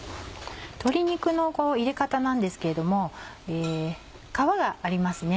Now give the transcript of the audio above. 鶏肉の入れ方なんですけれども皮がありますね。